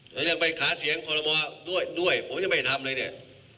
เรายังไปขาเสียงพลมเด้วยเรายังไม่ได้ทำเลยเนี่ย